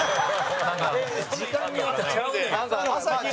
時間によってちゃうねや。